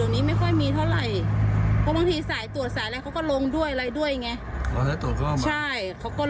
ไม่ค่อยมีนะคะเดี๋ยวนี้